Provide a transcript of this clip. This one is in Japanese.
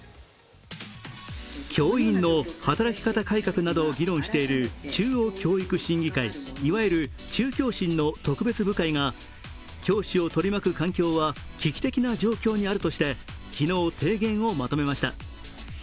教員の働き方改革などを議論している中央教育審議会いわゆる中教審の特別部会が教師を取り巻く環境は危機的な状況にあるとして昨日、提言をまとめました。